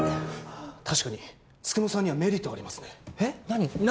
確かに九十九さんにはメリットがありますねえ何？